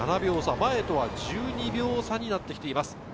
前とは１２秒差になってきています。